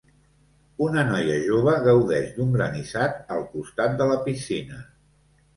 Una noia jove gaudeix d'un granissat al costat de la piscina.